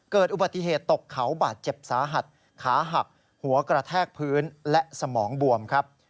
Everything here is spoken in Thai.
เกิดอุบัติเหตุตกเขาบาดเจ็บสาหัสขาหักหัวกระแทกพื้นและสมองบวมครับ